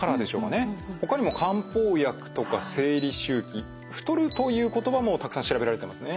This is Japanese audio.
ほかにも「漢方薬」とか「生理周期」「太る」という言葉もたくさん調べられてますね。